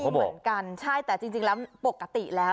เหมือนกันใช่แต่จริงแล้วปกติแล้ว